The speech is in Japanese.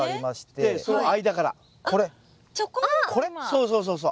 そうそうそうそう。